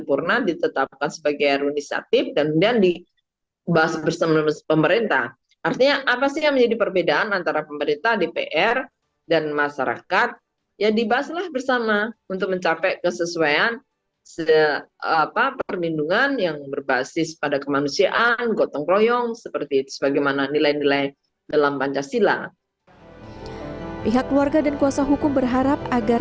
orang tua korban mengatakan tidak menyangka